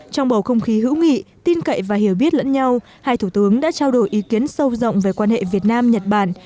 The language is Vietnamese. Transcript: trong bầu không khí hữu nghị tin cậy và hiểu biết lẫn nhau hai thủ tướng đã trao đổi ý kiến sâu rộng về quan hệ việt nam nhật bản